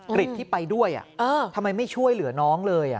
กริจที่ไปด้วยทำไมไม่ช่วยเหลือน้องเลย